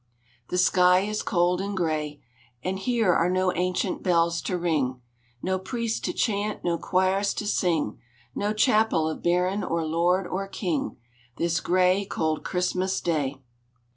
The sky is cold and gray, And here are no ancient bells to ring, No priests to chant, no choirs to sing, No chapel of baron, or lord, or king. This gray, cold Christmas Day.